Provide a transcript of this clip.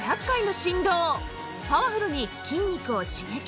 パワフルに筋肉を刺激